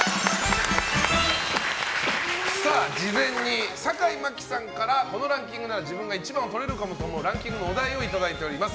事前に坂井真紀さんからこのランキングなら自分が１番をとれるかもと思うランキングのお題をいただいております。